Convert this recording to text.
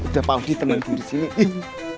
udah pak udi tenang disini